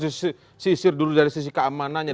disisir dulu dari sisi keamanannya